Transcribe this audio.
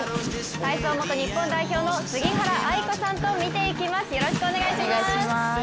体操元日本代表の杉原愛子さんと見ていきます。